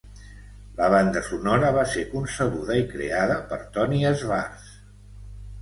La banda sonora va ser concebuda i creada per Tony Schwartz.